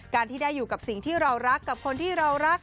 การที่ได้อยู่กับสิ่งที่เรารักกับคนที่เรารัก